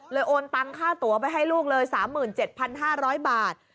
โอนตังค่าตัวไปให้ลูกเลย๓๗๕๐๐บาท